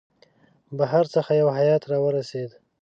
بهر څخه یو هیئات را ورسېد.